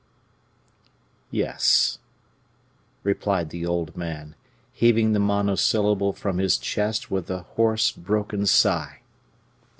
"Yes," replied the old man, heaving the monosyllable from his chest with a hoarse, broken sigh.